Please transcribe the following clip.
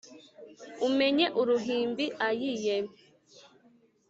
Umenye uruhimbi ayiyeee